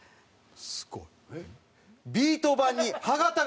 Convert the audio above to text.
すごい。